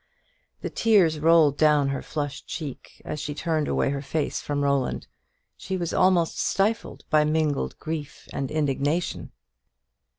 The tears rolled down her flushed cheek, as she turned away her face from Roland. She was almost stifled by mingled grief and indignation.